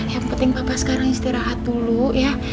yang penting bapak sekarang istirahat dulu ya